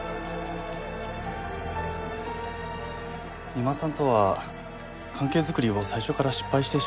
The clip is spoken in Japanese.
三馬さんとは関係作りを最初から失敗してしまいましたね。